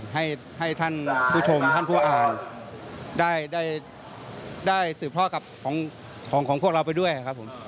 ให้ท่านผู้ชมท่านผู้อ่านได้สืบทอดกับของพวกเราไปด้วยครับผม